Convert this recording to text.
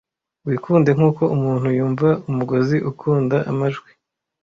wikunde nkuko umuntu yumva umugozi ukunda amajwi